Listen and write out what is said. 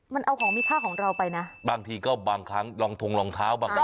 มันเอาของมีค่าของเราไปนะบางทีก็บางครั้งลองทงรองเท้าบางอย่าง